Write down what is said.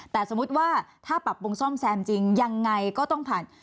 แต่สมมุติว่าถ้าปรับปรุงซ่อมแซมจริงยังไงก็ต้องผ่าน